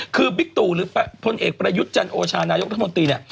คือบิ๊กตู่หรือพลเอกประยุทธ์จันโอชานายกรัฐมนตรีเนี่ย